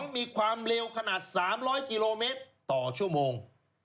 มีความเร็วขนาด๓๐๐กิโลเมตรต่อชั่วโมง